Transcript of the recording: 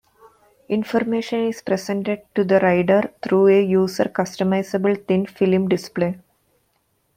Information is presented to the rider through a user-customizable thin-film display.